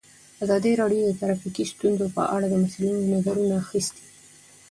ازادي راډیو د ټرافیکي ستونزې په اړه د مسؤلینو نظرونه اخیستي.